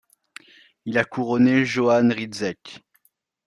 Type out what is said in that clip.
Il a couronné Johannes Rydzek.